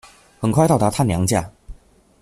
很快到达她娘家